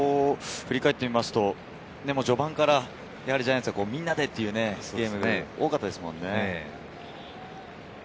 振り返ると序盤からジャイアンツはみんなでというゲームが多かったですもんね。